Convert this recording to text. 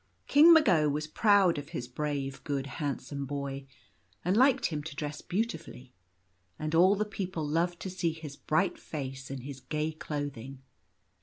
King Mago was proud of his brave, good, handsome boy, and liked him to dress beautifully ; and all the people loved to see his bright face and his gay clothing.